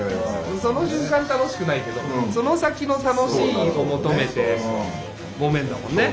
その瞬間楽しくないけどその先の楽しいを求めてもめんだもんね。